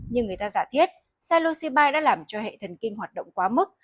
nhưng người ta giả thiết salosibai đã làm cho hệ thần kinh hoạt động quá mức